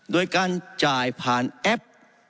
โดยการจ่ายผ่านแอป